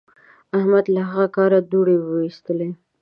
احمد له هغه کاره دوړې واېستلې.